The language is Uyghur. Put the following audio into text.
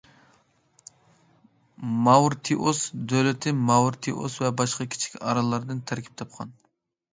ماۋرىتىئۇس دۆلىتى ماۋرىتىئۇس ۋە باشقا كىچىك ئاراللاردىن تەركىب تاپقان.